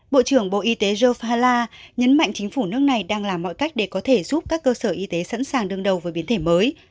bộ trưởng bộ y tế jofala nhấn mạnh chính phủ nước này đang làm mọi cách để có thể giúp các cơ sở y tế sẵn sàng đương đầu với biến thể mới